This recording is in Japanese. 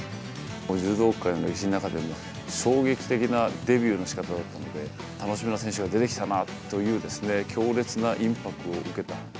柔道界の歴史の中でも、衝撃的なデビューのしかただったので、楽しみな選手が出てきたなという、強烈なインパクトを受けた。